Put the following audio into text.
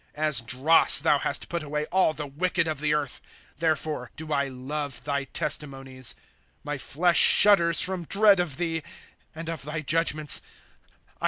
* As dross thou hast put away all the wicked of the earth ; Therefore do I love thy testimonies. ' My Hesh shudders from dread of thee. And of thy judgments I am afraid. V. 113. The double minded.